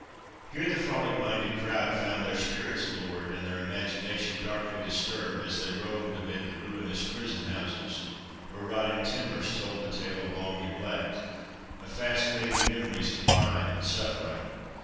Here the frolic minded crowd found their spirits lowered, and their imagination darkly disturbed, as they roamed amid the ruinous prison houses, where rotting timbers told the tale of long neglect; of fast fading memories of crime and suffering.